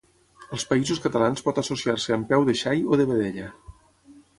Als Països catalans pot associar-se amb peu de xai o de vedella.